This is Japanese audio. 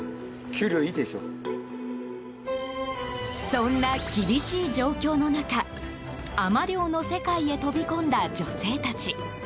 そんな厳しい状況の中海女漁の世界へ飛び込んだ女性たち。